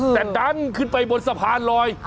แต่ดันขึ้นไปบนสะพานลอย